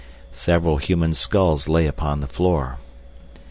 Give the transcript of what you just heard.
Several human skulls lay upon the floor.